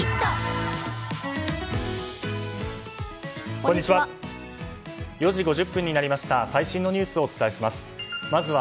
こんにちは。